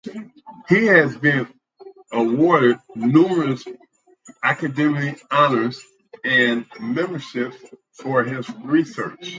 He has been awarded numerous academic honours and memberships for his research.